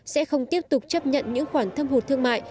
sẽ không tiếp tục chấp nhận những khoản thâm hụt thương mại